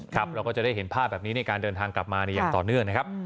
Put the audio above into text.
เราก็จะได้เห็นภาพแบบนี้ในการเดินทางกลับมาอย่างต่อเนื่องนะครับ